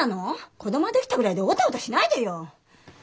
子供ができたぐらいでオタオタしないでよ。